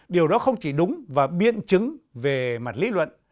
điều đó không chỉ đúng và biện chứng về mặt lý luận